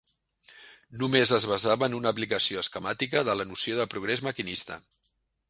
Només es basava en una aplicació esquemàtica de la noció de progrés maquinista.